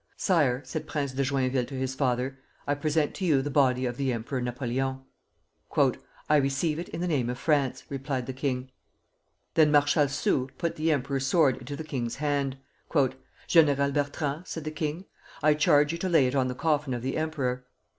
"Sire," said Prince de Joinville to his father, "I present to you the body of the Emperor Napoleon." "I receive it in the name of France," replied the king. Then Marshal Soult put the Emperor's sword into the king's hand. "General Bertrand," said the king, "I charge you to lay it on the coffin of the Emperor.